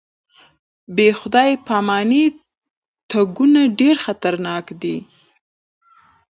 بې خدای پاماني تګونه ډېر خطرناک دي.